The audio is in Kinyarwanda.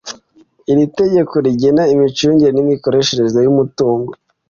iri tegeko rigena imicungire n’imikoreshereze y’umutungo